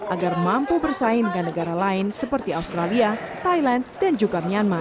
agar mampu bersaing dengan negara lain seperti australia thailand dan juga myanmar